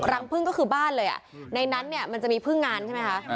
รังพึ่งก็คือบ้านเลยในนั้นเนี่ยมันจะมีพึ่งงานใช่ไหมคะ